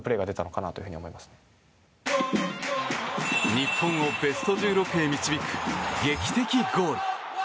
日本をベスト１６へ導く劇的ゴール。